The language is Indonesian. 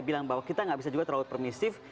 bilang bahwa kita nggak bisa juga terlalu permisif